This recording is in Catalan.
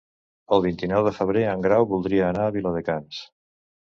El vint-i-nou de febrer en Grau voldria anar a Viladecans.